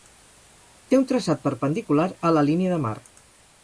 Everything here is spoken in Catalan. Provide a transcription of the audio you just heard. Té un traçat perpendicular a la línia de mar.